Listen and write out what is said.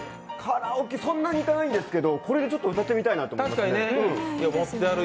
そんなに行かないんですけど、これでちょっと歌ってみたいなと思います。